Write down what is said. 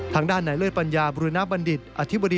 ทางด้านไหนเลิศปัญญาบริณะบัณฑิต